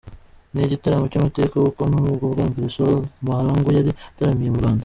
Ni igitaramo cy’amateka kuko nibwo bwa mbere Solly Mahlangu yari ataramiye mu Rwanda.